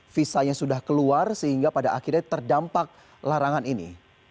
visanya sudah keluar sehingga pada akhirnya terdampak larangan ini